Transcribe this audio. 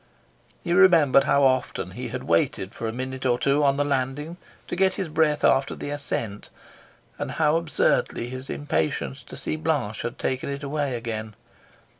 He remembered how often he had waited for a minute or two on the landing to get his breath after the ascent, and how absurdly his impatience to see Blanche had taken it away again.